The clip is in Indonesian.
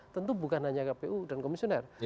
tentu bukan hanya kpu dan komisioner